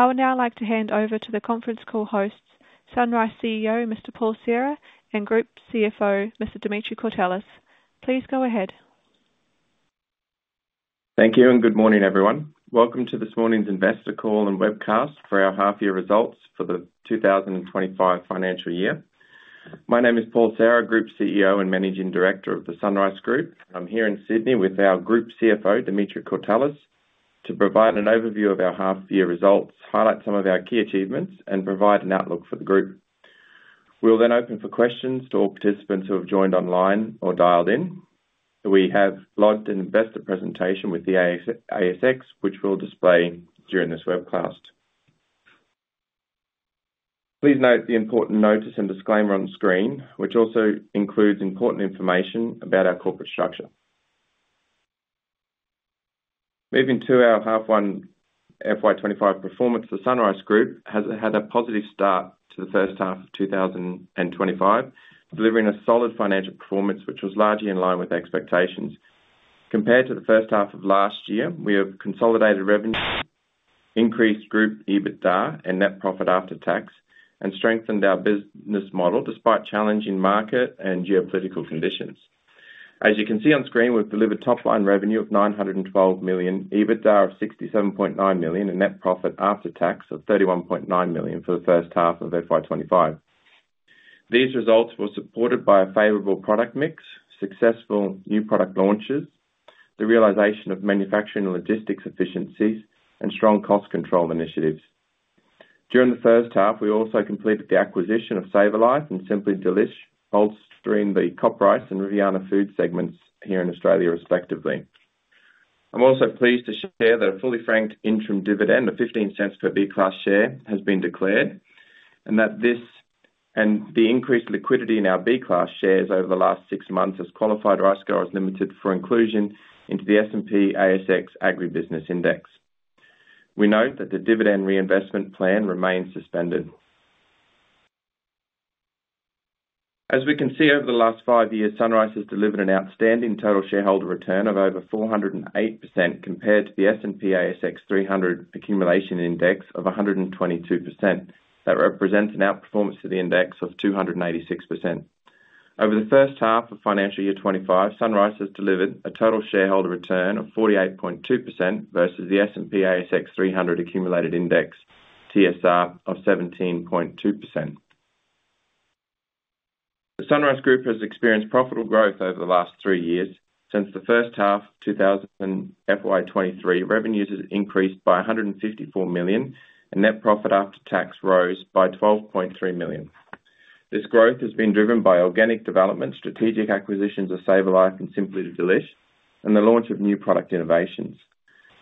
I would now like to hand over to the conference call hosts, SunRice CEO Mr. Paul Serra and Group CFO Mr. Dimitri Courtelis. Please go ahead. Thank you, and good morning everyone. Welcome to this morning's investor call and webcast for our half-year results for the 2025 financial year. My name is Paul Serra, Group CEO and Managing Director of the SunRice Group, and I'm here in Sydney with our Group CFO, Dimitri Courtelis, to provide an overview of our half-year results, highlight some of our key achievements, and provide an outlook for the group. We'll then open for questions to all participants who have joined online or dialed in. We have lodged an investor presentation with the ASX, which we'll display during this webcast. Please note the important notice and disclaimer on screen, which also includes important information about our corporate structure. Moving to our H1 FY25 performance, the SunRice Group has had a positive start to the first half of 2025, delivering a solid financial performance which was largely in line with expectations. Compared to the first half of last year, we have consolidated revenue, increased Group EBITDA and net profit after tax, and strengthened our business model despite challenging market and geopolitical conditions. As you can see on screen, we've delivered top-line revenue of 912 million, EBITDA of 67.9 million, and net profit after tax of 31.9 million for the first half of FY25. These results were supported by a favorable product mix, successful new product launches, the realization of manufacturing and logistics efficiencies, and strong cost control initiatives. During the first half, we also completed the acquisition of SavourLife and Simply Delish, bolstering the CopRice and Riviana Foods segments here in Australia, respectively. I'm also pleased to share that a fully franked interim dividend of 0.15 per B-class share has been declared, and that this and the increased liquidity in our B-class shares over the last six months has qualified RiceGrowers Limited for inclusion into the S&P/ASX Agribusiness Index. We note that the dividend reinvestment plan remains suspended. As we can see, over the last five years, SunRice has delivered an outstanding total shareholder return of over 408% compared to the S&P/ASX 300 Accumulation Index of 122%. That represents an outperformance to the index of 286%. Over the first half of financial year 25, SunRice has delivered a total shareholder return of 48.2% versus the S&P/ASX 300 Accumulation Index TSR of 17.2%. The SunRice Group has experienced profitable growth over the last three years. Since the first half of FY23, revenues have increased by 154 million, and net profit after tax rose by 12.3 million. This growth has been driven by organic development, strategic acquisitions of SavourLife and Simply Delish, and the launch of new product innovations.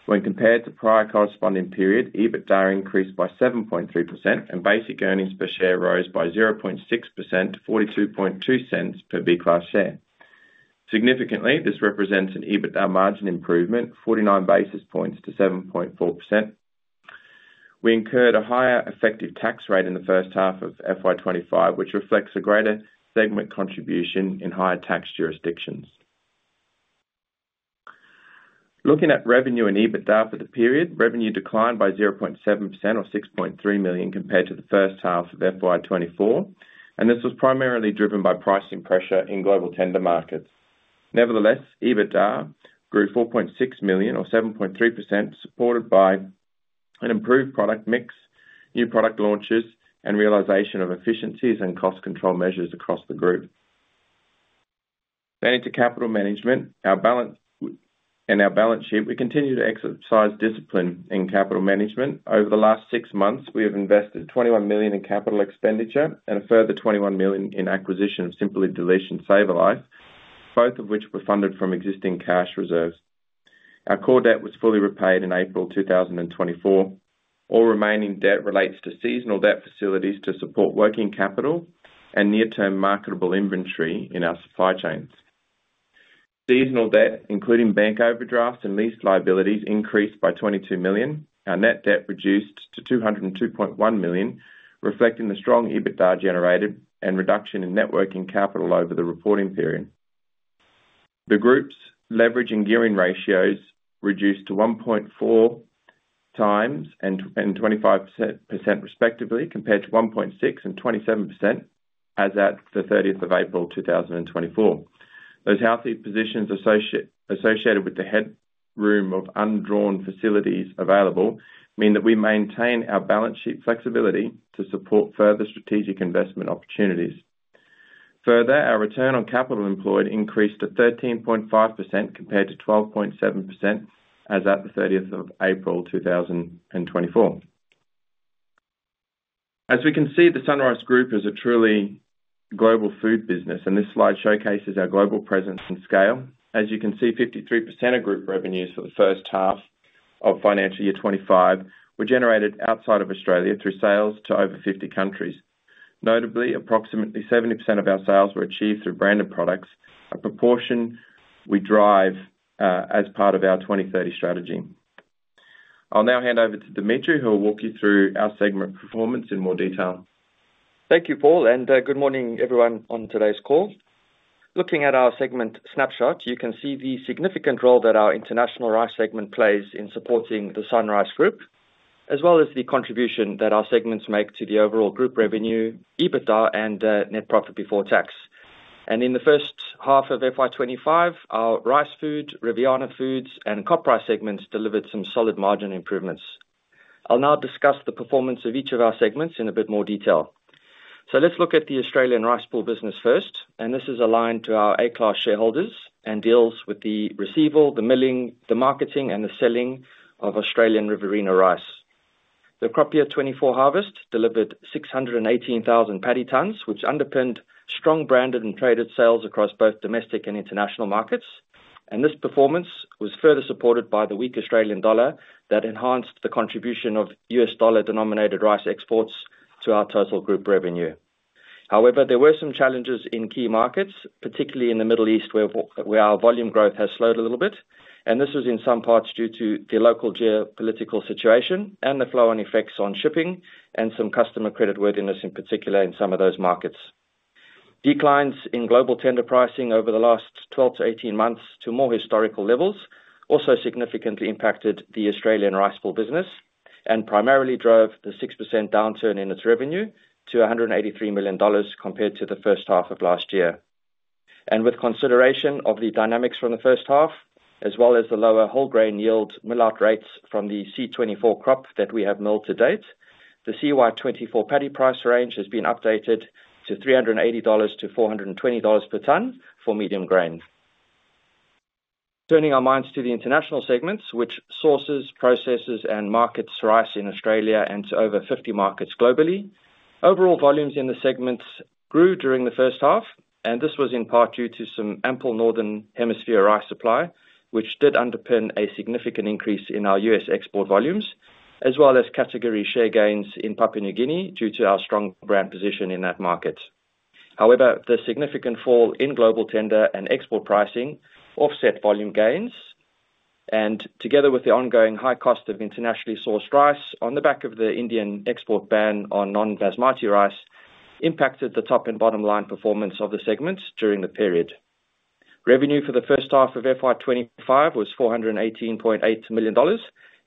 When compared to prior corresponding period, EBITDA increased by 7.3%, and basic earnings per share rose by 0.6% to 0.422 per B-class share. Significantly, this represents an EBITDA margin improvement, 49 basis points to 7.4%. We incurred a higher effective tax rate in the first half of FY25, which reflects a greater segment contribution in higher tax jurisdictions. Looking at revenue and EBITDA for the period, revenue declined by 0.7% or 6.3 million compared to the first half of FY24, and this was primarily driven by pricing pressure in global tender markets. Nevertheless, EBITDA grew 4.6 million or 7.3%, supported by an improved product mix, new product launches, and realization of efficiencies and cost control measures across the group. Then, into capital management and our balance sheet, we continue to exercise discipline in capital management. Over the last six months, we have invested 21 million in capital expenditure and a further 21 million in acquisition of Simply Delish and SavourLife, both of which were funded from existing cash reserves. Our core debt was fully repaid in April 2024. All remaining debt relates to seasonal debt facilities to support working capital and near-term marketable inventory in our supply chains. Seasonal debt, including bank overdrafts and lease liabilities, increased by 22 million. Our net debt reduced to 202.1 million, reflecting the strong EBITDA generated and reduction in net working capital over the reporting period. The group's leverage and gearing ratios reduced to 1.4x and 25% respectively, compared to 1.6 and 27% as at the 30th of April 2024. Those healthy positions associated with the headroom of undrawn facilities available mean that we maintain our balance sheet flexibility to support further strategic investment opportunities. Further, our return on capital employed increased to 13.5% compared to 12.7% as at the 30th of April 2024. As we can see, the SunRice Group is a truly global food business, and this slide showcases our global presence and scale. As you can see, 53% of group revenues for the first half of Financial Year 2025 were generated outside of Australia through sales to over 50 countries. Notably, approximately 70% of our sales were achieved through branded products, a proportion we drive as part of our 2030 strategy. I'll now hand over to Dimitri, who will walk you through our segment performance in more detail. Thank you, Paul, and good morning, everyone, on today's call. Looking at our segment snapshot, you can see the significant role that our International Rice segment plays in supporting the SunRice Group, as well as the contribution that our segments make to the overall group revenue, EBITDA, and net profit before tax. In the first half of FY25, our Rice Food, Riviana Foods, and CopRice segments delivered some solid margin improvements. I'll now discuss the performance of each of our segments in a bit more detail. Let's look at the Australian Rice Pool business first, and this is aligned to our A-class shareholders and deals with the receival, the milling, the marketing, and the selling of Australian Riverina rice. The Crop Year 24 harvest delivered 618,000 paddy tons, which underpinned strong branded and traded sales across both domestic and international markets. This performance was further supported by the weak Australian dollar that enhanced the contribution of U.S. dollar-denominated rice exports to our total group revenue. However, there were some challenges in key markets, particularly in the Middle East, where our volume growth has slowed a little bit, and this was in some parts due to the local geopolitical situation and the flow-on effects on shipping and some customer creditworthiness, in particular in some of those markets. Declines in global tender pricing over the last 12 to 18 months to more historical levels also significantly impacted the Australian Rice Pool business and primarily drove the 6% downturn in its revenue to 183 million dollars compared to the first half of last year. With consideration of the dynamics from the first half, as well as the lower whole grain yield mill-out rates from the CY24 crop that we have milled to date, the CY24 paddy price range has been updated to 380 dollars to 420 dollars per ton for medium grain. Turning our minds to the international segments, which sources, processes, and markets rice in Australia and to over 50 markets globally, overall volumes in the segments grew during the first half, and this was in part due to some ample northern hemisphere rice supply, which did underpin a significant increase in our U.S. export volumes, as well as category share gains in Papua New Guinea due to our strong brand position in that market. However, the significant fall in global tender and export pricing offset volume gains, and together with the ongoing high cost of internationally sourced rice on the back of the Indian export ban on non-Basmati rice impacted the top and bottom line performance of the segments during the period. Revenue for the first half of FY25 was 418.8 million dollars,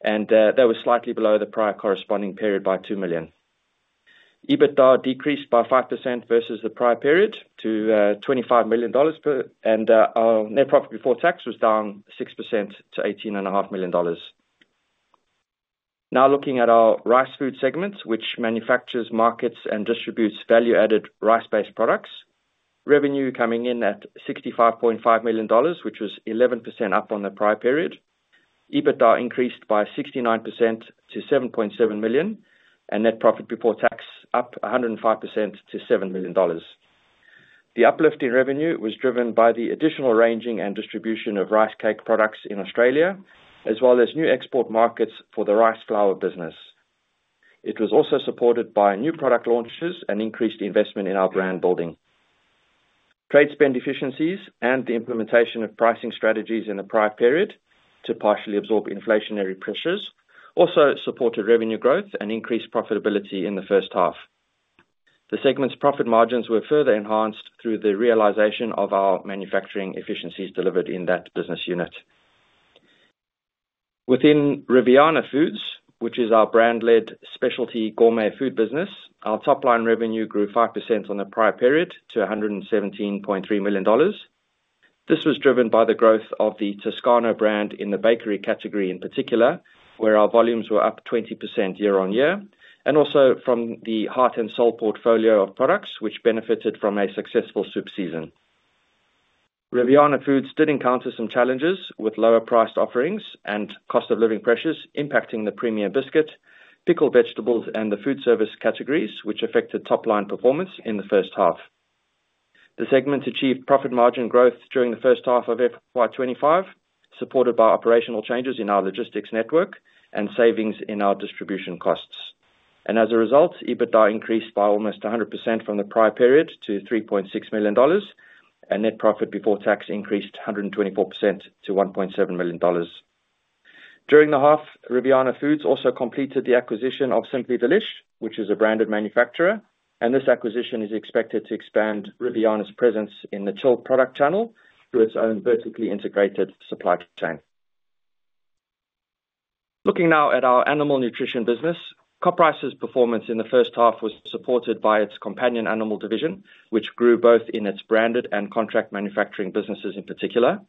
and that was slightly below the prior corresponding period by 2 million. EBITDA decreased by 5% versus the prior period to 25 million dollars, and our net profit before tax was down 6% to 18.5 million dollars. Now looking at our Rice Food segments, which manufactures, markets, and distributes value-added rice-based products, revenue coming in at 65.5 million dollars, which was 11% up on the prior period. EBITDA increased by 69% to 7.7 million, and net profit before tax up 105% to 7 million dollars. The uplift in revenue was driven by the additional ranging and distribution of rice cake products in Australia, as well as new export markets for the rice flour business. It was also supported by new product launches and increased investment in our brand building. Trade spend efficiencies and the implementation of pricing strategies in the prior period to partially absorb inflationary pressures also supported revenue growth and increased profitability in the first half. The segment's profit margins were further enhanced through the realization of our manufacturing efficiencies delivered in that business unit. Within Riviana Foods, which is our brand-led specialty gourmet food business, our top-line revenue grew 5% on the prior period to 117.3 million dollars. This was driven by the growth of the Toscano brand in the bakery category in particular, where our volumes were up 20% year-on-year, and also from the Hart & Soul portfolio of products, which benefited from a successful soup season. Riviana Foods did encounter some challenges with lower priced offerings and cost of living pressures impacting the premier biscuit, pickled vegetables, and the food service categories, which affected top-line performance in the first half. The segment achieved profit margin growth during the first half of FY25, supported by operational changes in our logistics network and savings in our distribution costs, and as a result, EBITDA increased by almost 100% from the prior period to 3.6 million dollars, and net profit before tax increased 124% to 1.7 million dollars. During the half, Riviana Foods also completed the acquisition of Simply Delish, which is a branded manufacturer, and this acquisition is expected to expand Riviana's presence in the chilled product channel through its own vertically integrated supply chain. Looking now at our animal nutrition business, CopRice's performance in the first half was supported by its companion animal division, which grew both in its branded and contract manufacturing businesses in particular.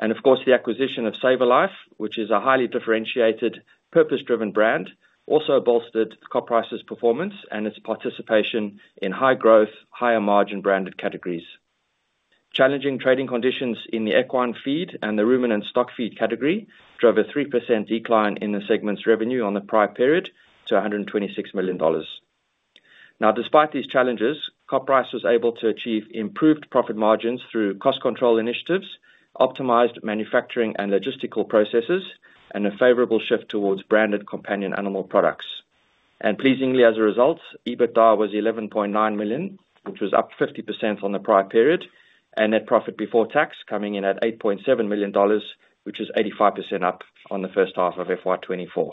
Of course, the acquisition of SavourLife, which is a highly differentiated, purpose-driven brand, also bolstered CopRice's performance and its participation in high-growth, higher-margin branded categories. Challenging trading conditions in the equine feed and the ruminant stock feed category drove a 3% decline in the segment's revenue on the prior period to 126 million dollars. Now, despite these challenges, CopRice was able to achieve improved profit margins through cost control initiatives, optimized manufacturing and logistical processes, and a favorable shift towards branded companion animal products. Pleasingly, as a result, EBITDA was 11.9 million, which was up 50% on the prior period, and net profit before tax coming in at 8.7 million dollars, which is 85% up on the first half of FY24.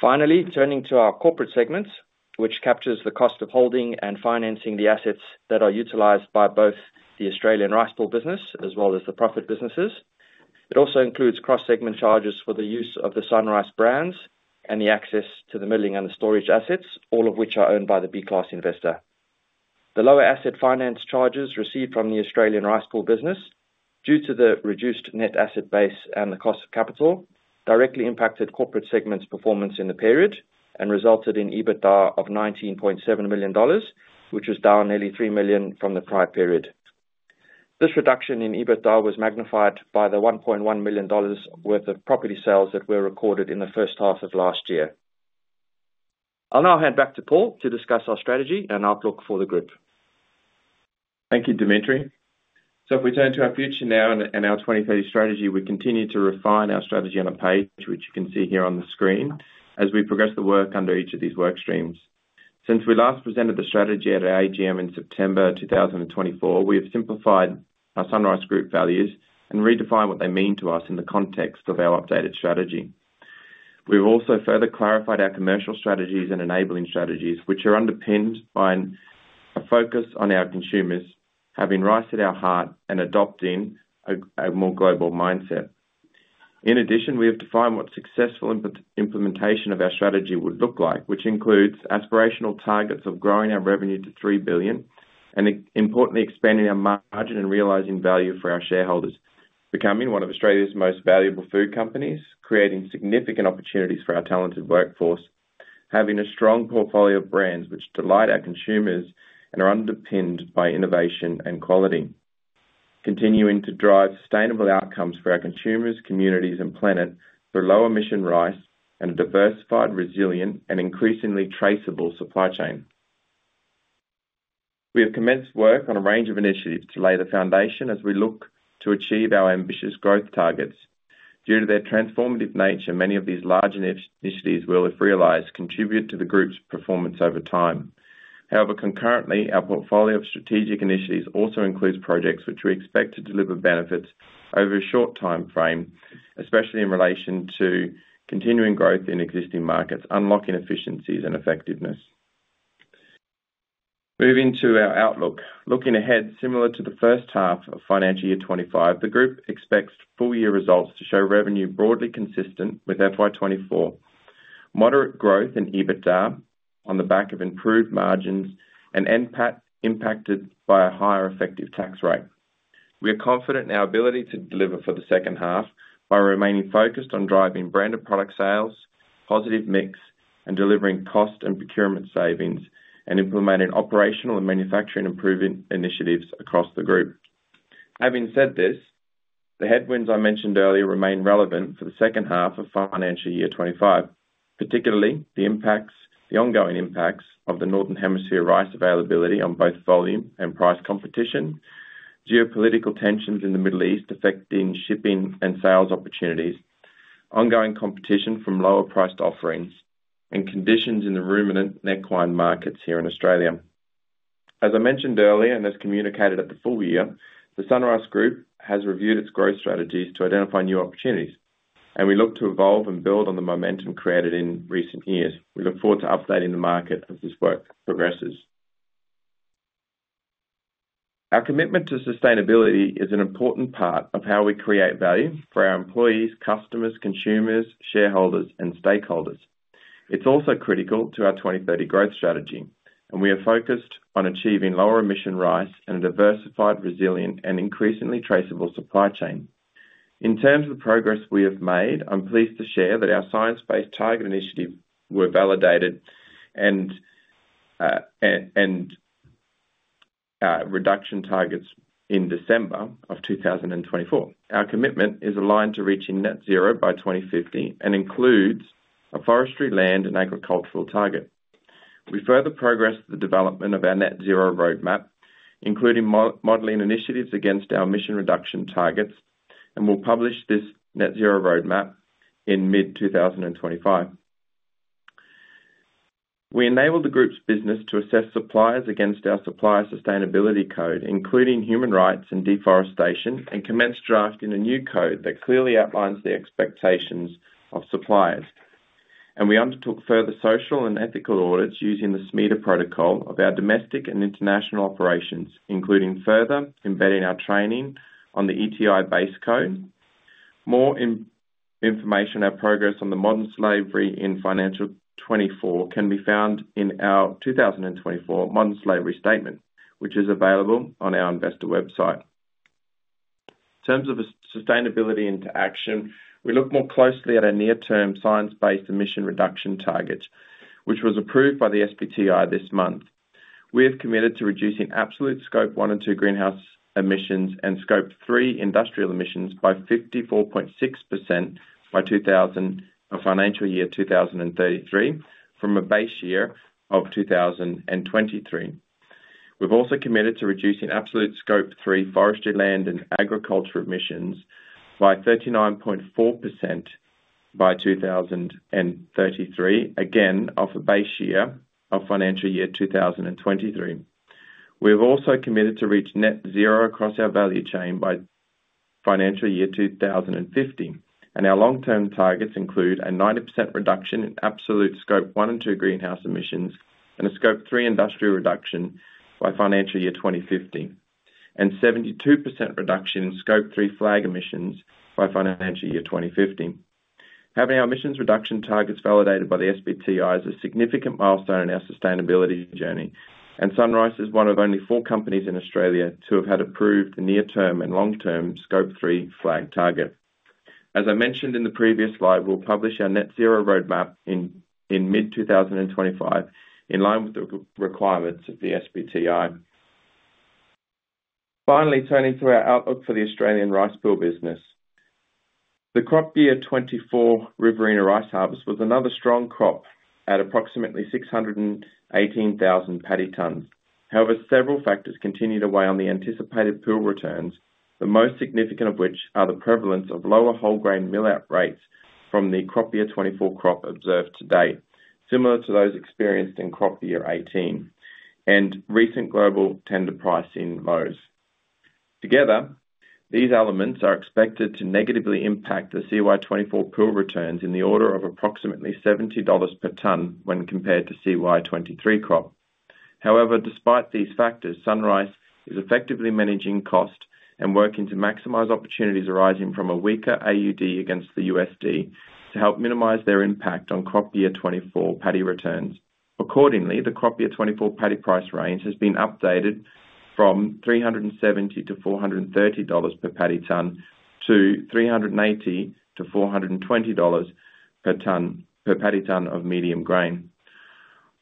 Finally, turning to our corporate segments, which captures the cost of holding and financing the assets that are utilized by both the Australian Rice Pool business as well as the profit businesses. It also includes cross-segment charges for the use of the SunRice brands and the access to the milling and the storage assets, all of which are owned by the B-class investor. The lower asset finance charges received from the Australian Rice Pool business due to the reduced net asset base and the cost of capital directly impacted Corporate segment's performance in the period and resulted in EBITDA of 19.7 million dollars, which was down nearly 3 million from the prior period. This reduction in EBITDA was magnified by the 1.1 million dollars worth of property sales that were recorded in the first half of last year. I'll now hand back to Paul to discuss our strategy and outlook for the group. Thank you, Dimitri. If we turn to our future now and our 2030 strategy, we continue to refine our strategy on a page, which you can see here on the screen, as we progress the work under each of these work streams. Since we last presented the strategy at our AGM in September 2024, we have simplified our SunRice Group values and redefined what they mean to us in the context of our updated strategy. We have also further clarified our commercial strategies and enabling strategies, which are underpinned by a focus on our consumers having rice at our heart and adopting a more global mindset. In addition, we have defined what successful implementation of our strategy would look like, which includes aspirational targets of growing our revenue to 3 billion and, importantly, expanding our margin and realizing value for our shareholders, becoming one of Australia's most valuable food companies, creating significant opportunities for our talented workforce, having a strong portfolio of brands which delight our consumers and are underpinned by innovation and quality, continuing to drive sustainable outcomes for our consumers, communities, and planet through low-emission rice and a diversified, resilient, and increasingly traceable supply chain. We have commenced work on a range of initiatives to lay the foundation as we look to achieve our ambitious growth targets. Due to their transformative nature, many of these large initiatives, well if realized, contribute to the group's performance over time. However, concurrently, our portfolio of strategic initiatives also includes projects which we expect to deliver benefits over a short time frame, especially in relation to continuing growth in existing markets, unlocking efficiencies and effectiveness. Moving to our outlook, looking ahead similar to the first half of financial year 25, the group expects full-year results to show revenue broadly consistent with FY24, moderate growth in EBITDA on the back of improved margins and impacted by a higher effective tax rate. We are confident in our ability to deliver for the second half by remaining focused on driving branded product sales, positive mix, and delivering cost and procurement savings, and implementing operational and manufacturing improvement initiatives across the group. Having said this, the headwinds I mentioned earlier remain relevant for the second half of financial year 25, particularly the ongoing impacts of the northern hemisphere rice availability on both volume and price competition, geopolitical tensions in the Middle East affecting shipping and sales opportunities, ongoing competition from lower-priced offerings, and conditions in the ruminant and equine markets here in Australia. As I mentioned earlier and as communicated at the full year, the SunRice Group has reviewed its growth strategies to identify new opportunities, and we look to evolve and build on the momentum created in recent years. We look forward to updating the market as this work progresses. Our commitment to sustainability is an important part of how we create value for our employees, customers, consumers, shareholders, and stakeholders. It's also critical to our 2030 growth strategy, and we are focused on achieving lower-emission rice and a diversified, resilient, and increasingly traceable supply chain. In terms of the progress we have made, I'm pleased to share that our Science Based Targets initiative was validated and reduction targets in December of 2024. Our commitment is aligned to reaching net zero by 2050 and includes a forestry, land, and agriculture target. We further progressed the development of our net zero roadmap, including modeling initiatives against our emission reduction targets, and we'll publish this net zero roadmap in mid-2025. We enabled the group's business to assess suppliers against our supplier sustainability code, including human rights and deforestation, and commenced drafting a new code that clearly outlines the expectations of suppliers. We undertook further social and ethical audits using the SMETA protocol of our domestic and international operations, including further embedding our training on the ETI-based code. More information on our progress on the modern slavery in FY24 can be found in our 2024 modern slavery statement, which is available on our investor website. In terms of sustainability in action, we look more closely at our near-term science-based emission reduction targets, which was approved by the SBTi this month. We have committed to reducing absolute Scope 1 and 2 greenhouse emissions and Scope 3 industrial emissions by 54.6% by financial year 2033 from a base year of 2023. We've also committed to reducing absolute Scope 3 forestry, land, and agriculture emissions by 39.4% by 2033, again off a base year of financial year 2023. We have also committed to reach net zero across our value chain by financial year 2050, and our long-term targets include a 90% reduction in absolute Scope 1 and 2 greenhouse emissions and a Scope 3 industrial reduction by financial year 2050, and 72% reduction in Scope 3 FLAG emissions by financial year 2050. Having our emissions reduction targets validated by the SBTi is a significant milestone in our sustainability journey, and SunRice is one of only four companies in Australia to have had approved the near-term and long-term Scope 3 FLAG target. As I mentioned in the previous slide, we'll publish our net zero roadmap in mid-2025 in line with the requirements of the SBTi. Finally, turning to our outlook for the Australian rice pool business. The crop year 24 Riverina rice harvest was another strong crop at approximately 618,000 paddy tons. However, several factors continue to weigh on the anticipated pool returns, the most significant of which are the prevalence of lower whole grain mill-out rates from the crop year 24 crop observed to date, similar to those experienced in crop year 18, and recent global tender pricing lows. Together, these elements are expected to negatively impact the CY24 pool returns in the order of approximately 70 dollars per ton when compared to CY23 crop. However, despite these factors, SunRice is effectively managing costs and working to maximize opportunities arising from a weaker AUD against the USD to help minimize their impact on crop year 24 paddy returns. Accordingly, the crop year 24 paddy price range has been updated from 370 to 430 dollars per paddy ton to 380 to 420 dollars per paddy ton of medium grain.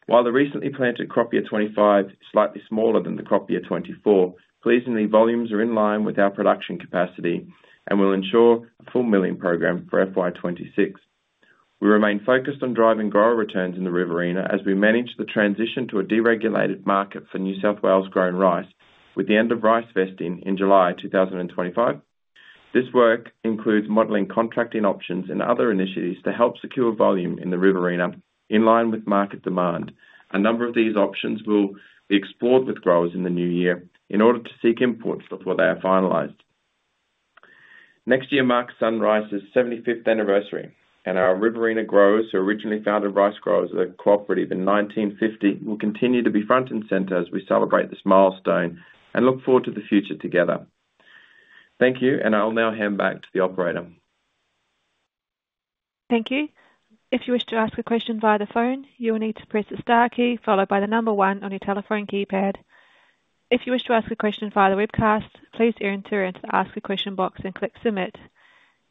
While the recently planted Crop Year 25 is slightly smaller than the Crop Year 24, pleasingly, volumes are in line with our production capacity and will ensure a full milling program for FY26. We remain focused on driving grower returns in the Riverina as we manage the transition to a deregulated market for New South Wales-grown rice with the end of rice vesting in July 2025. This work includes modeling contracting options and other initiatives to help secure volume in the Riverina in line with market demand. A number of these options will be explored with growers in the new year in order to seek input before they are finalized. Next year marks SunRice's 75th anniversary, and our Riverina growers, who originally founded RiceGrowers as a cooperative in 1950, will continue to be front and center as we celebrate this milestone and look forward to the future together. Thank you, and I'll now hand back to the operator. Thank you. If you wish to ask a question via the phone, you will need to press the star key followed by the number one on your telephone keypad. If you wish to ask a question via the webcast, please enter into the ask a question box and click submit.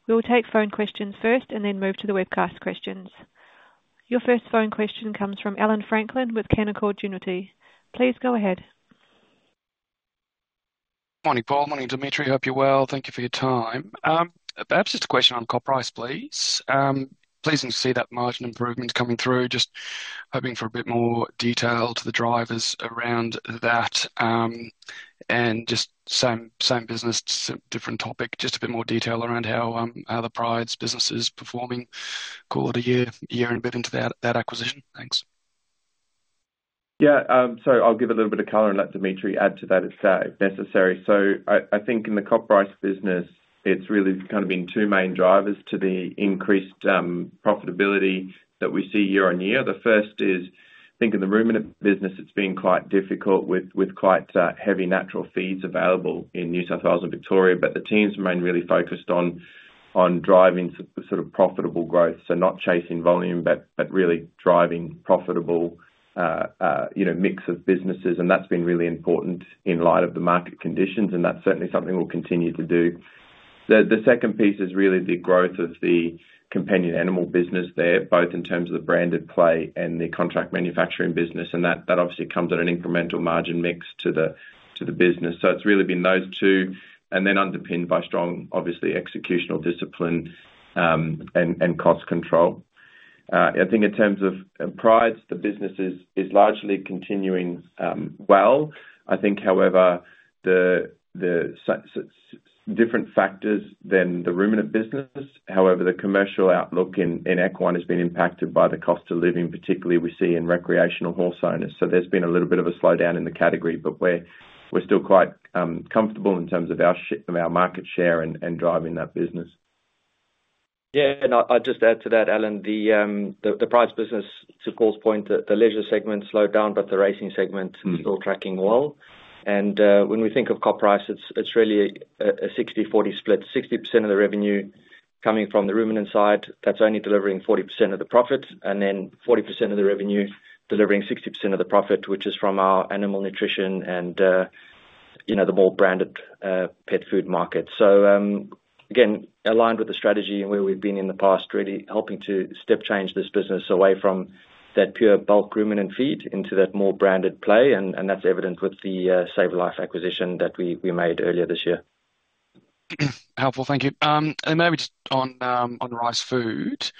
We will take phone questions first and then move to the webcast questions. Your first phone question comes from Ellen Franklin with Canaccord Genuity. Please go ahead. Good morning, Paul. Morning, Dimitri. Hope you're well. Thank you for your time. Perhaps just a question on CopRice, please. Pleasing to see that margin improvement coming through. Just hoping for a bit more detail to the drivers around that. Just same business, different topic, just a bit more detail around how the Pryde's business is performing call it a year and a bit into that acquisition. Thanks. Yeah, so I'll give a little bit of color and let Dimitri add to that if necessary. I think in the CopRice business, it's really kind of been two main drivers to the increased profitability that we see year on year. The first is, I think in the ruminant business, it's been quite difficult with quite heavy natural feeds available in New South Wales and Victoria, but the teams remain really focused on driving sort of profitable growth, so not chasing volume, but really driving profitable mix of businesses. That's been really important in light of the market conditions, and that's certainly something we'll continue to do. The second piece is really the growth of the companion animal business there, both in terms of the branded play and the contract manufacturing business. That obviously comes at an incremental margin mix to the business. It's really been those two, and then underpinned by strong, obviously, executional discipline and cost control. I think in terms of Pryde's, the business is largely continuing well. I think, however, the different factors than the ruminant business, however, the commercial outlook in equine has been impacted by the cost of living, particularly we see in recreational horse owners. There's been a little bit of a slowdown in the category, but we're still quite comfortable in terms of our market share and driving that business. Yeah, and I'll just add to that, Alan, the Pryde's business, to Paul's point, the leisure segment slowed down, but the racing segment is still tracking well. When we think of CopRice, it's really a 60 to 40 split. 60% of the revenue coming from the ruminant side, that's only delivering 40% of the profit, and then 40% of the revenue delivering 60% of the profit, which is from our animal nutrition and the more branded pet food market. Again, aligned with the strategy and where we've been in the past, really helping to step change this business away from that pure bulk ruminant feed into that more branded play. That's evident with the SavourLife acquisition that we made earlier this year. Helpful. Thank you. Maybe just on Rice Food,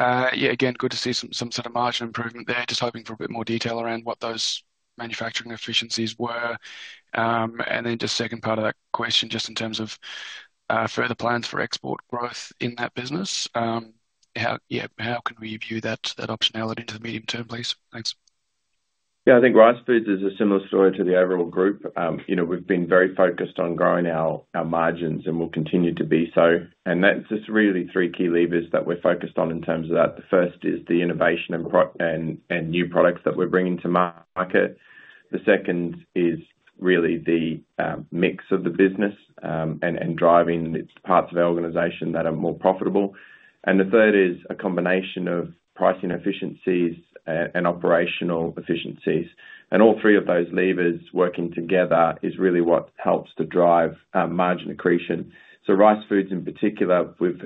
yeah, again, good to see some sort of margin improvement there. Just hoping for a bit more detail around what those manufacturing efficiencies were. Then just second part of that question, just in terms of further plans for export growth in that business, how can we view that optionality into the medium term, please? Thanks. Yeah, I think Rice Food is a similar story to the overall group. We've been very focused on growing our margins, and we'll continue to be so. That's just really three key levers that we're focused on in terms of that. The first is the innovation and new products that we're bringing to market. The second is really the mix of the business and driving parts of our organization that are more profitable. The third is a combination of pricing efficiencies and operational efficiencies. All three of those levers working together is really what helps to drive margin accretion. Rice Food in particular, we've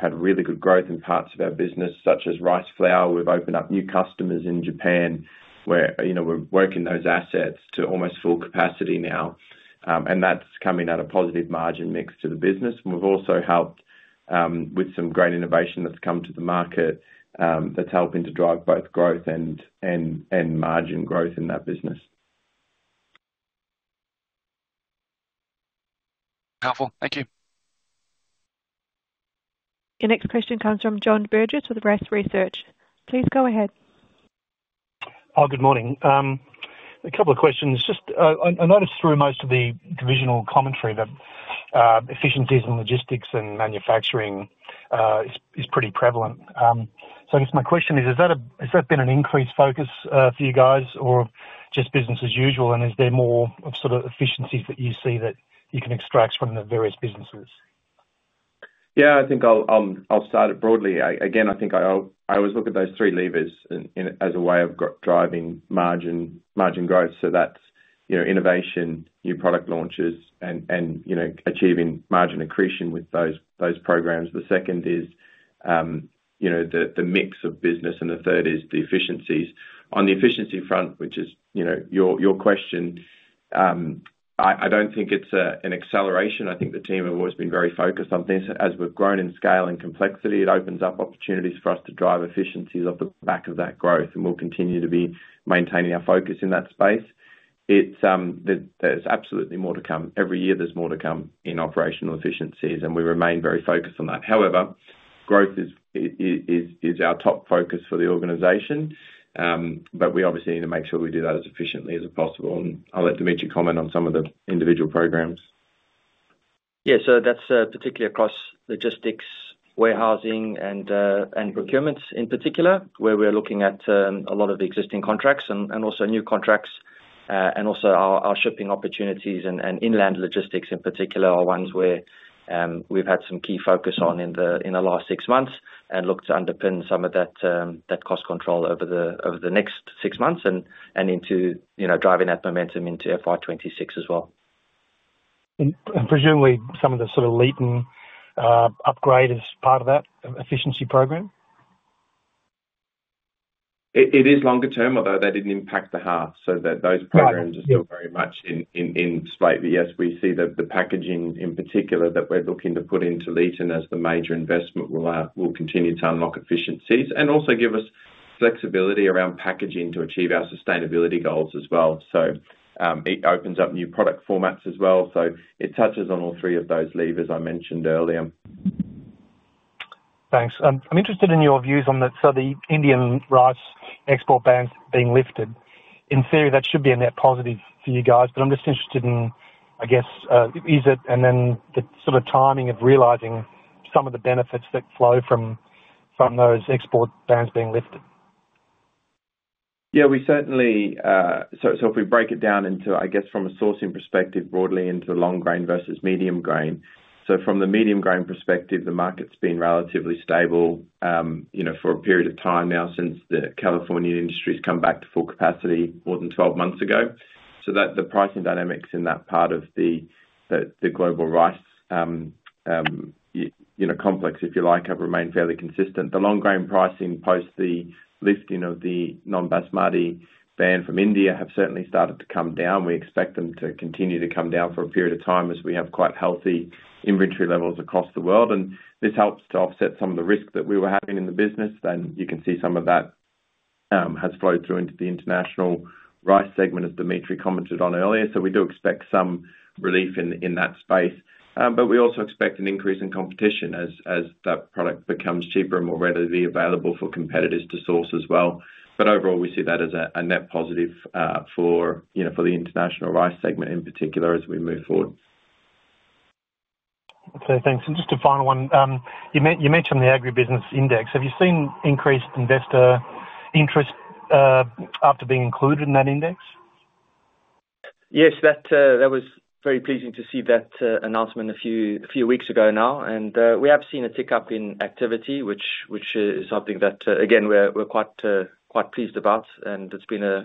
had really good growth in parts of our business, such as rice flour. We've opened up new customers in Japan where we're working those assets to almost full capacity now. That's coming at a positive margin mix to the business. We've also helped with some great innovation that's come to the market that's helping to drive both growth and margin growth in that business. Helpful. Thank you. Your next question comes from John Burgess with Rice Research. Please go ahead. Hi, good morning. A couple of questions. Just I noticed through most of the divisional commentary that efficiencies in logistics and manufacturing is pretty prevalent. I guess my question is, has there been an increased focus for you guys or just business as usual? Is there more of sort of efficiencies that you see that you can extract from the various businesses? Yeah, I think I'll start it broadly. Again, I think I always look at those three levers as a way of driving margin growth. That's innovation, new product launches, and achieving margin accretion with those programs. The second is the mix of business, and the third is the efficiencies. On the efficiency front, which is your question, I don't think it's an acceleration. I think the team have always been very focused on this. As we've grown in scale and complexity, it opens up opportunities for us to drive efficiencies off the back of that growth, and we'll continue to be maintaining our focus in that space. There's absolutely more to come. Every year, there's more to come in operational efficiencies, and we remain very focused on that. However, growth is our top focus for the organization, but we obviously need to make sure we do that as efficiently as possible, and I'll let Dimitri comment on some of the individual programs. Yeah, so that's particularly across logistics, warehousing, and procurements in particular, where we're looking at a lot of existing contracts and also new contracts, and also our shipping opportunities and inland logistics in particular are ones where we've had some key focus on in the last six months and look to underpin some of that cost control over the next six months and into driving that momentum into FY26 as well. Presumably, some of the sort of latent upgrade is part of that efficiency program? It is longer term, although that didn't impact the half. Those programs are still very much in place. But yes, we see the packaging in particular that we're looking to put into Leeton as the major investment will continue to unlock efficiencies and also give us flexibility around packaging to achieve our sustainability goals as well. It opens up new product formats as well. It touches on all three of those levers I mentioned earlier. Thanks. I'm interested in your views on the Indian rice export bans being lifted. In theory, that should be a net positive for you guys, but I'm just interested in, I guess, is it and then the sort of timing of realizing some of the benefits that flow from those export bans being lifted? Yeah, we certainly. If we break it down into, I guess, from a sourcing perspective broadly into long grain versus medium grain. From the medium grain perspective, the market's been relatively stable for a period of time now since the California industry's come back to full capacity more than 12 months ago. The pricing dynamics in that part of the global rice complex, if you like, have remained fairly consistent. The long grain pricing post the lifting of the non-Basmati ban from India have certainly started to come down. We expect them to continue to come down for a period of time as we have quite healthy inventory levels across the world. This helps to offset some of the risk that we were having in the business. You can see some of that has flowed through into the international rice segment, as Dimitri commented on earlier. We do expect some relief in that space. But we also expect an increase in competition as that product becomes cheaper and more readily available for competitors to source as well. But overall, we see that as a net positive for the international rice segment in particular as we move forward. Okay, thanks. Just a final one. You mentioned the agribusiness index. Have you seen increased investor interest after being included in that index? Yes, that was very pleasing to see that announcement a few weeks ago now, and we have seen a tick up in activity, which is something that, again, we're quite pleased about, and it's been a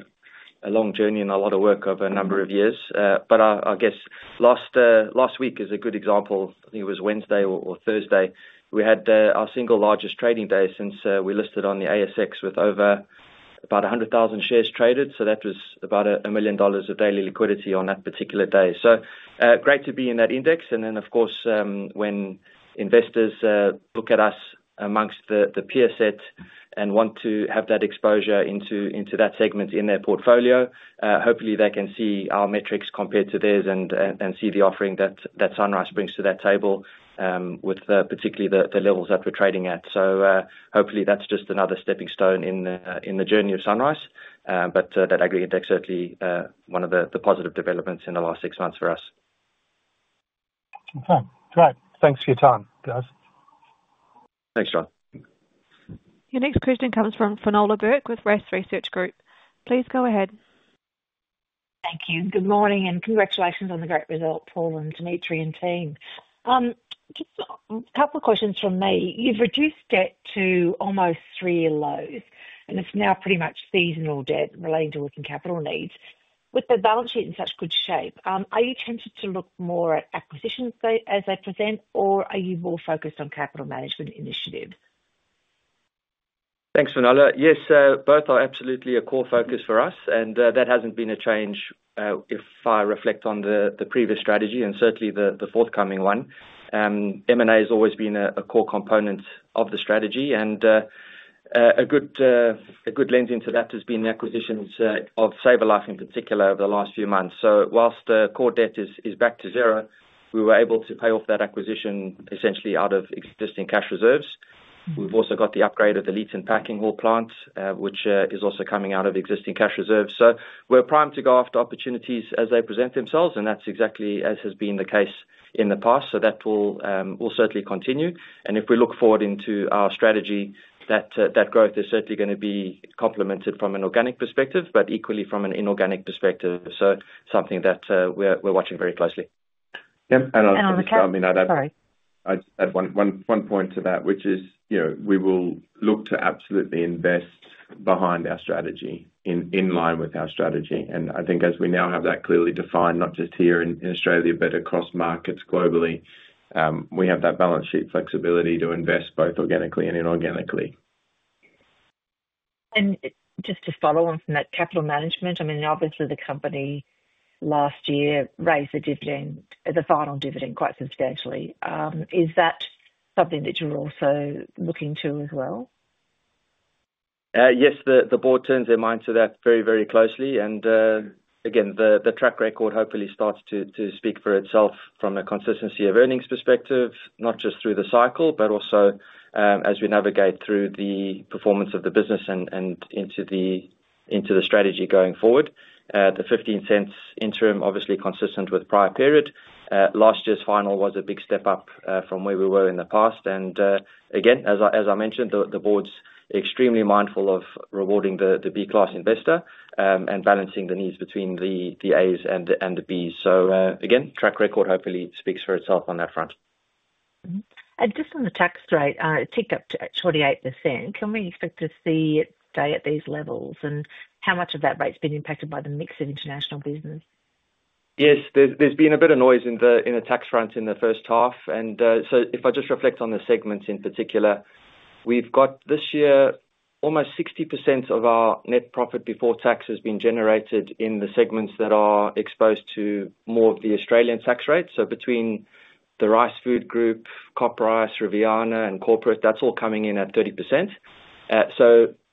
long journey and a lot of work over a number of years, but I guess last week is a good example. I think it was Wednesday or Thursday. We had our single largest trading day since we listed on the ASX with over about 100,000 shares traded, so that was about 1 million dollars of daily liquidity on that particular day, so great to be in that index. Then, of course, when investors look at us amongst the peer set and want to have that exposure into that segment in their portfolio, hopefully, they can see our metrics compared to theirs and see the offering that SunRice brings to that table with particularly the levels that we're trading at. Hopefully, that's just another stepping stone in the journey of SunRice. But that agri index is certainly one of the positive developments in the last six months for us. Okay. Great. Thanks for your time, guys. Thanks, John. Your next question comes from Finola Burke with Rice Research Group. Please go ahead. Thank you. Good morning and congratulations on the great result, Paul and Dimitri and team. Just a couple of questions from me. You've reduced debt to almost 3x, and it's now pretty much seasonal debt relating to working capital needs. With the balance sheet in such good shape, are you tempted to look more at acquisitions as they present, or are you more focused on capital management initiatives? Thanks, Finola. Yes, both are absolutely a core focus for us, and that hasn't been a change if I reflect on the previous strategy and certainly the forthcoming one. M&A has always been a core component of the strategy, and a good lens into that has been the acquisitions of SavourLife in particular over the last few months. Whilst the core debt is back to zero, we were able to pay off that acquisition essentially out of existing cash reserves. We've also got the upgrade of the leads and packing hall plant, which is also coming out of existing cash reserves. We're primed to go after opportunities as they present themselves, and that's exactly as has been the case in the past. That will certainly continue. If we look forward into our strategy, that growth is certainly going to be complemented from an organic perspective, but equally from an inorganic perspective. Something that we're watching very closely. Yep. I'll just add one point to that, which is we will look to absolutely invest behind our strategy in line with our strategy. I think as we now have that clearly defined, not just here in Australia, but across markets globally, we have that balance sheet flexibility to invest both organically and inorganically. Just to follow on from that capital management, I mean, obviously, the company last year raised the dividend, the final dividend, quite substantially. Is that something that you're also looking to as well? Yes, the board turns their mind to that very, very closely. Again, the track record hopefully starts to speak for itself from a consistency of earnings perspective, not just through the cycle, but also as we navigate through the performance of the business and into the strategy going forward. The 0.15 interim, obviously consistent with prior period. Last year's final was a big step up from where we were in the past. Again, as I mentioned, the board's extremely mindful of rewarding the B-class investor and balancing the needs between the A's and the B's. Again, track record hopefully speaks for itself on that front. Just on the tax rate, a tick up to 28%. Can we expect to see it stay at these levels? How much of that rate's been impacted by the mix of international business? Yes, there's been a bit of noise in the tax front in the first half. If I just reflect on the segments in particular, we've got this year almost 60% of our net profit before tax has been generated in the segments that are exposed to more of the Australian tax rate. Between the Rice Food group, CopRice, Riviana, and corporate, that's all coming in at 30%.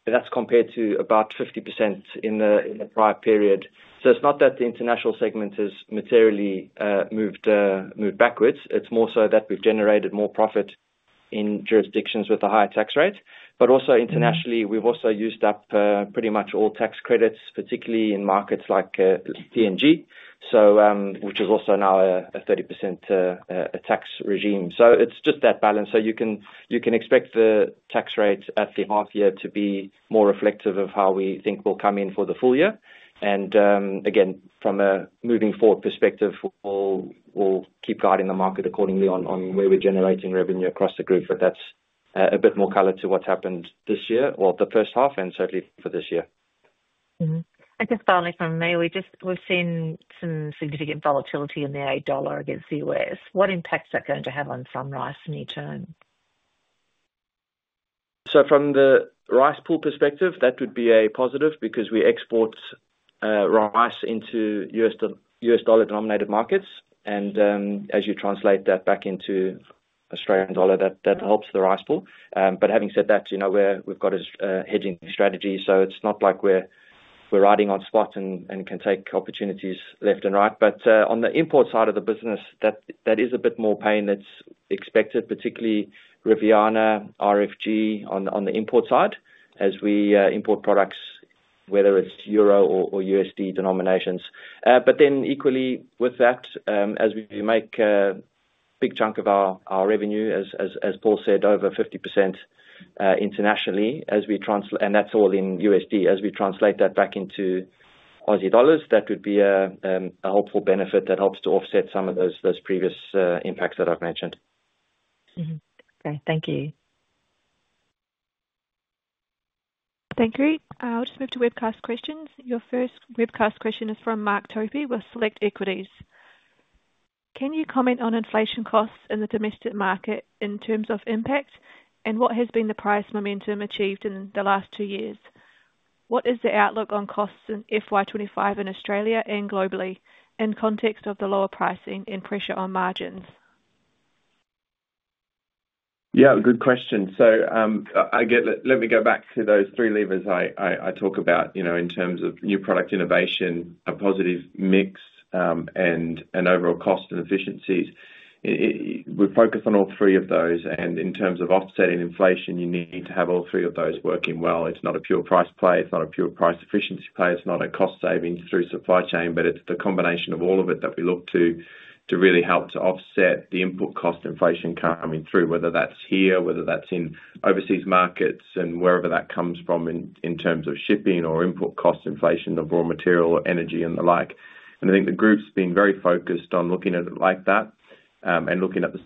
That's compared to about 50% in the prior period. It's not that the international segment has materially moved backwards. It's more so that we've generated more profit in jurisdictions with a higher tax rate. But also internationally, we've also used up pretty much all tax credits, particularly in markets like PNG, which is also now a 30% tax regime. It's just that balance. You can expect the tax rate at the half year to be more reflective of how we think we'll come in for the full year. Again, from a moving forward perspective, we'll keep guiding the market accordingly on where we're generating revenue across the group. But that's a bit more color to what's happened this year, well, the first half, and certainly for this year. I guess finally from me, we've seen some significant volatility in the A dollar against the US. What impact is that going to have on SunRice in return? From the rice pool perspective, that would be a positive because we export rice into US dollar denominated markets. As you translate that back into Australian dollar, that helps the rice pool. But having said that, we've got a hedging strategy. It's not like we're riding on spot and can take opportunities left and right. But on the import side of the business, that is a bit more pain that's expected, particularly Riviana, RFG on the import side as we import products, whether it's euro or USD denominations. But then equally with that, as we make a big chunk of our revenue, as Paul said, over 50% internationally, and that's all in USD, as we translate that back into Aussie dollars, that would be a helpful benefit that helps to offset some of those previous impacts that I've mentioned. Okay. Thank you. Thank you. I'll just move to webcast questions. Your first webcast question is from Mark Topy with Select Equities. Can you comment on inflation costs in the domestic market in terms of impact and what has been the price momentum achieved in the last two years? What is the outlook on costs in FY25 in Australia and globally in context of the lower pricing and pressure on margins? Yeah, good question. Let me go back to those three levers I talk about in terms of new product innovation, a positive mix, and overall cost and efficiencies. We focus on all three of those. In terms of offsetting inflation, you need to have all three of those working well. It's not a pure price play. It's not a pure price efficiency play. It's not a cost savings through supply chain, but it's the combination of all of it that we look to really help to offset the input cost inflation coming through, whether that's here, whether that's in overseas markets and wherever that comes from in terms of shipping or input cost inflation of raw material or energy and the like. I think the group's been very focused on looking at it like that and looking at the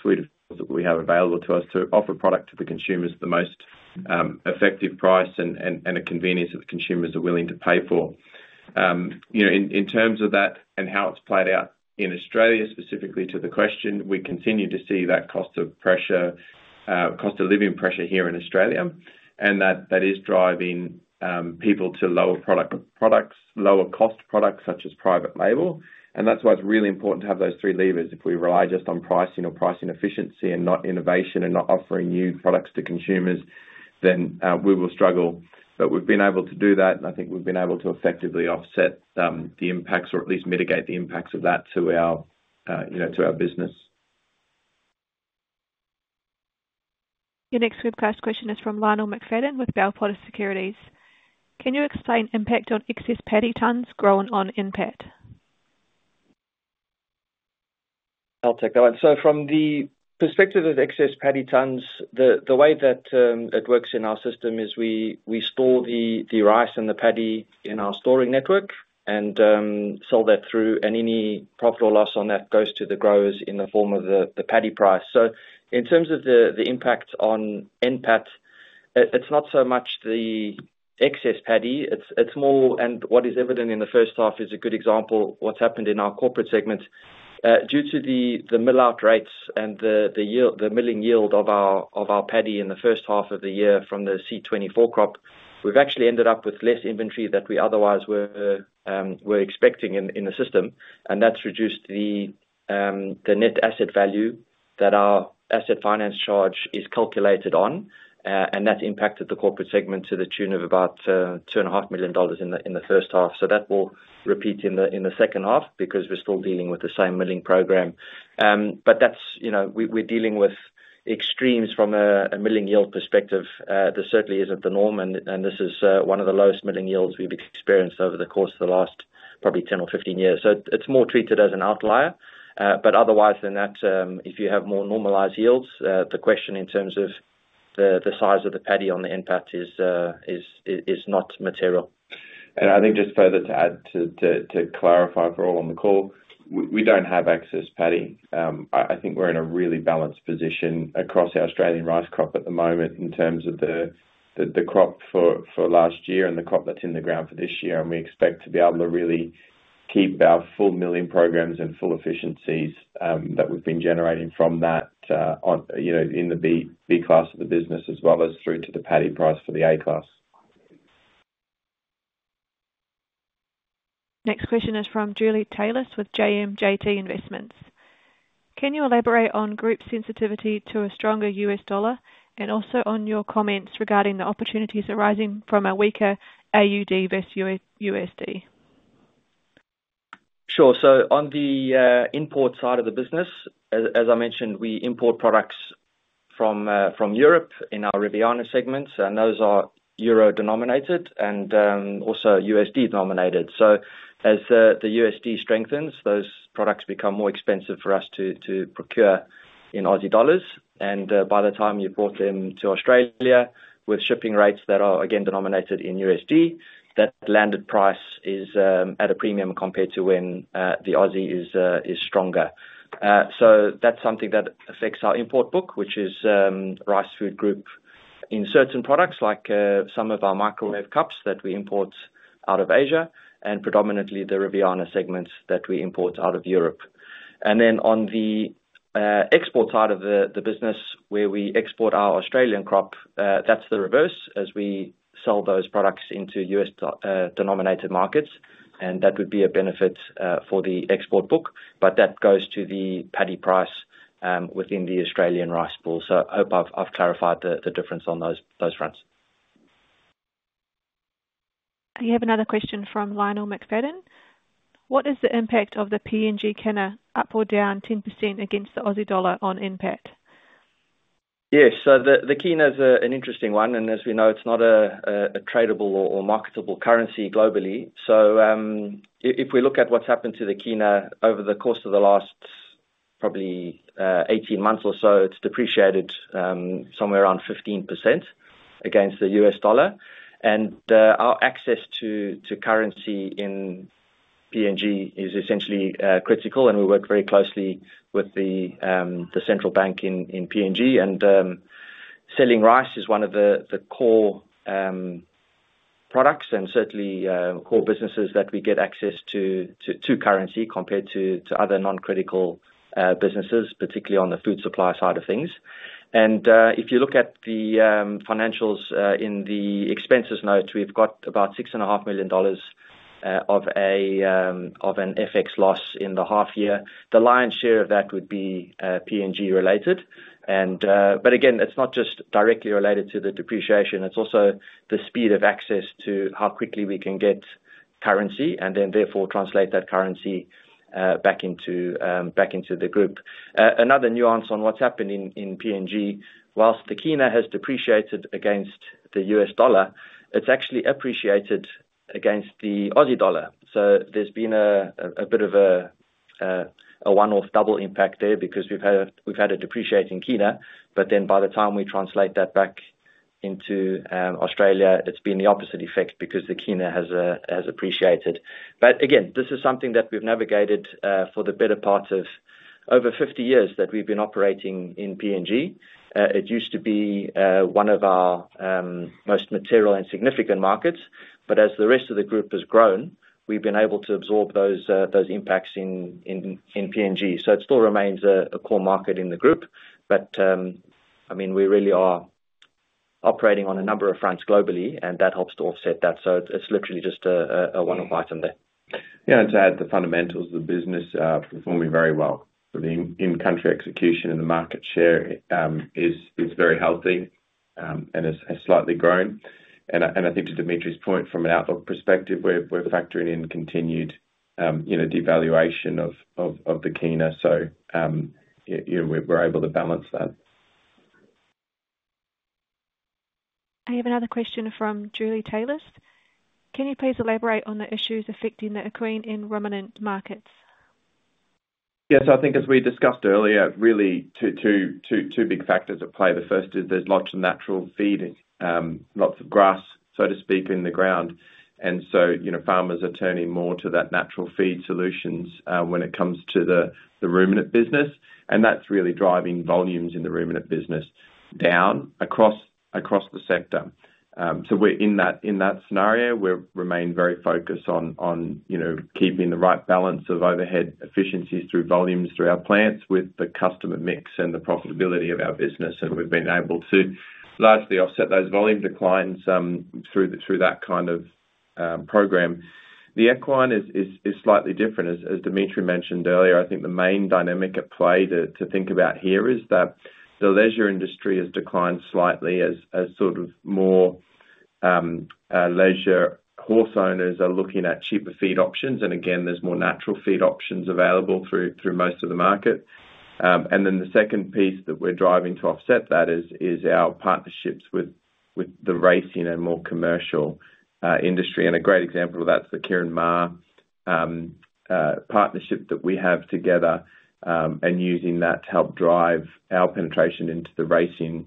suite of tools that we have available to us to offer product to the consumers at the most effective price and a convenience that the consumers are willing to pay for. In terms of that and how it's played out in Australia, specifically to the question, we continue to see that cost of living pressure here in Australia, and that is driving people to lower products, lower cost products such as private label. That's why it's really important to have those three levers. If we rely just on pricing or pricing efficiency and not innovation and not offering new products to consumers, then we will struggle. But we've been able to do that, and I think we've been able to effectively offset the impacts or at least mitigate the impacts of that to our business. Your next webcast question is from Lionel McFadden with Bell Potter Securities. Can you explain impact on excess paddy tons grown on NPAT? I'll take that one. From the perspective of excess paddy tons, the way that it works in our system is we store the rice and the paddy in our storage network and sell that through, and any profit or loss on that goes to the growers in the form of the paddy price. In terms of the impact on NPAT, it's not so much the excess paddy. It's more, and what is evident in the first half is a good example of what's happened in our corporate segment. Due to the mill-out rates and the milling yield of our paddy in the first half of the year from the CY24 crop, we've actually ended up with less inventory than we otherwise were expecting in the system. That's reduced the net asset value that our asset finance charge is calculated on. That's impacted the corporate segment to the tune of about 2.5 million dollars in the first half. That will repeat in the second half because we're still dealing with the same milling program. But we're dealing with extremes from a milling yield perspective. This certainly isn't the norm, and this is one of the lowest milling yields we've experienced over the course of the last probably 10 or 15 years. It's more treated as an outlier. But otherwise, if you have more normalized yields, the question in terms of the size of the paddy on the NPAT is not material. I think just further to add to clarify for all on the call, we don't have excess paddy. I think we're in a really balanced position across our Australian rice crop at the moment in terms of the crop for last year and the crop that's in the ground for this year. We expect to be able to really keep our full milling programs and full efficiencies that we've been generating from that in the B-class of the business as well as through to the paddy price for the A-class. Next question is from Julie Taylor with JMJT Investments. Can you elaborate on group sensitivity to a stronger US dollar and also on your comments regarding the opportunities arising from a weaker AUD versus USD? Sure. On the import side of the business, as I mentioned, we import products from Europe in our Riviana segments, and those are euro denominated and also USD denominated. As the USD strengthens, those products become more expensive for us to procure in Aussie dollars. By the time you've brought them to Australia with shipping rates that are again denominated in USD, that landed price is at a premium compared to when the Aussie is stronger. That's something that affects our import book, which is Rice Food in certain products like some of our microwave cups that we import out of Asia and predominantly the Riviana segments that we import out of Europe. Then on the export side of the business, where we export our Australian crop, that's the reverse as we sell those products into US denominated markets. That would be a benefit for the export book, but that goes to the paddy price within the Australian Rice Pool. I hope I've clarified the difference on those fronts. We have another question from Lionel McFadden. What is the impact of the PGK Kina up or down 10% against the Aussie dollar on NPAT? Yes. The Kina is an interesting one. As we know, it's not a tradable or marketable currency globally. If we look at what's happened to the Kina over the course of the last probably 18 months or so, it's depreciated somewhere around 15% against the US dollar. Our access to currency in PNG is essentially critical. We work very closely with the central bank in PNG. Selling rice is one of the core products and certainly core businesses that we get access to currency compared to other non-critical businesses, particularly on the food supply side of things. If you look at the financials in the expenses note, we've got about 6.5 million dollars of an FX loss in the half year. The lion's share of that would be PNG related. But again, it's not just directly related to the depreciation. It's also the speed of access to how quickly we can get currency and then therefore translate that currency back into the group. Another nuance on what's happened in PNG, while the Kina has depreciated against the US dollar, it's actually appreciated against the Aussie dollar. There's been a bit of a one-off double impact there because we've had a depreciating Kina. But then by the time we translate that back into Australia, it's been the opposite effect because the Kina has appreciated. But again, this is something that we've navigated for the better part of over 50 years that we've been operating in PNG. It used to be one of our most material and significant markets. But as the rest of the group has grown, we've been able to absorb those impacts in PNG. It still remains a core market in the group. But I mean, we really are operating on a number of fronts globally, and that helps to offset that. It's literally just a one-off item there. Yeah. To add, the fundamentals of the business are performing very well. The in-country execution and the market share is very healthy and has slightly grown. I think to Dimitri's point, from an outlook perspective, we're factoring in continued devaluation of the Kina. We're able to balance that. I have another question from Julie Taylor. Can you please elaborate on the issues affecting the equine and ruminant markets? Yes. I think as we discussed earlier, really two big factors at play. The first is there's lots of natural feed, lots of grass, so to speak, in the ground, and so farmers are turning more to that natural feed solutions when it comes to the ruminant business, and that's really driving volumes in the ruminant business down across the sector, so in that scenario, we remain very focused on keeping the right balance of overhead efficiencies through volumes through our plants with the customer mix and the profitability of our business, and we've been able to largely offset those volume declines through that kind of program. The equine is slightly different. As Dimitri mentioned earlier, I think the main dynamic at play to think about here is that the leisure industry has declined slightly as sort of more leisure horse owners are looking at cheaper feed options. Again, there's more natural feed options available through most of the market. Then the second piece that we're driving to offset that is our partnerships with the racing and more commercial industry. A great example of that is the Ciaron Maher partnership that we have together and using that to help drive our penetration into the racing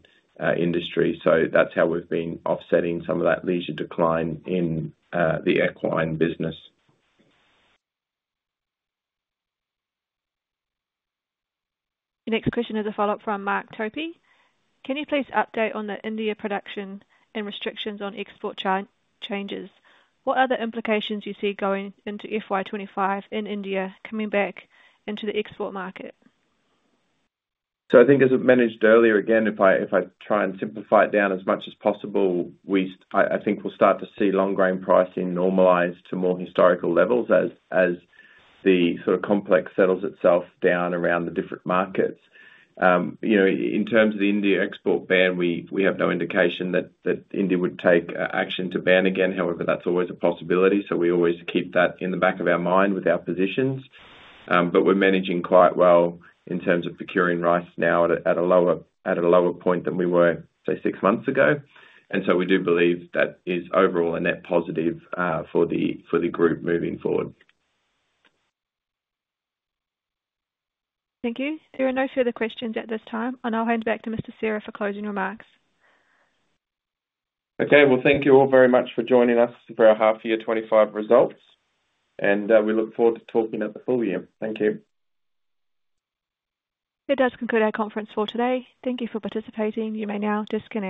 industry. That's how we've been offsetting some of that leisure decline in the equine business. Your next question is a follow-up from Mark Topy. Can you please update on the India production and restrictions on export changes? What are the implications you see going into FY25 in India coming back into the export market? I think as I've managed earlier, again, if I try and simplify it down as much as possible, I think we'll start to see long grain pricing normalize to more historical levels as the sort of complex settles itself down around the different markets. In terms of the India export ban, we have no indication that India would take action to ban again. However, that's always a possibility. We always keep that in the back of our mind with our positions. But we're managing quite well in terms of procuring rice now at a lower point than we were, say, six months ago. We do believe that is overall a net positive for the group moving forward. Thank you. There are no further questions at this time. I'll hand back to Mr. Serra for closing remarks. Thank you all very much for joining us for our half-year 2025 results. We look forward to talking at the full year. Thank you. That does conclude our conference for today. Thank you for participating. You may now disconnect.